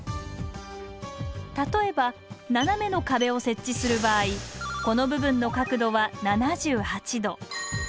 例えば斜めの壁を設置する場合この部分の角度は７８度。